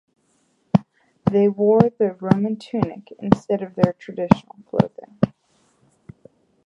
They wore the Roman tunic instead of their traditional clothing.